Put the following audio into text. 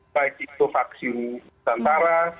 baik itu vaksin nusantara